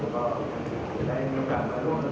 สวัสดีครับ